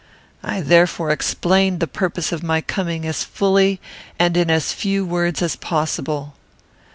I therefore explained the purpose of my coming as fully and in as few words as possible.